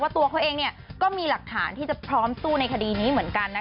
ตัวเขาเองก็มีหลักฐานที่จะพร้อมสู้ในคดีนี้เหมือนกัน